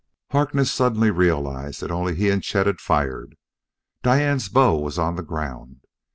Harkness suddenly realized that only he and Chet had fired. Diane's bow was on the ground.